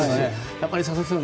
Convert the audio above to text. やっぱり佐々木さん